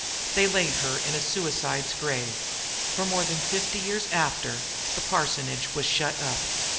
They laid her in a suicide's grave. For more than fifty years after the parsonage was shut up.